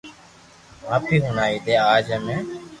آپ ھي ھمجاوي دي اج ھي